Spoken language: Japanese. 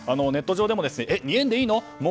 ネット上でも、２円でいいの？